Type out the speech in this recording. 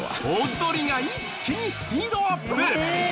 踊りが一気にスピードアップ！